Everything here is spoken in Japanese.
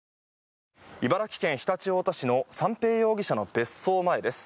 茨城県常陸太田市の三瓶容疑者の別荘前です。